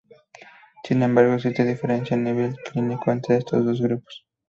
Sin embargo existe diferencia a nivel clínico entre estos dos grupos.